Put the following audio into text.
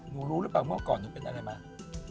รู้หรือเปล่าเมื่อก่อนหนูเป็นอะไรไหม